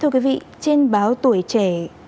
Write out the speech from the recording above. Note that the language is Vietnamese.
bài viết mang tựa đề